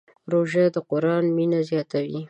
روژه د قرآن مینه زیاتوي.